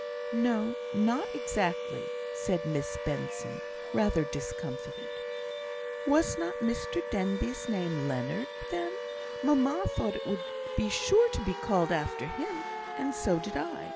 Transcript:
"No not exactly," said Miss Benson, rather discomfited. "Was not Mr Denbigh's name Leonard, then? Mamma thought it would be sure to be called after him, and so did I.